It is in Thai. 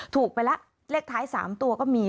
ถูกไปแล้วเลขท้าย๓ตัวก็มี